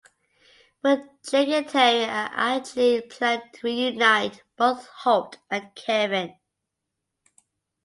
But Jake and Terry are actually planning to reunite both Holt and Kevin.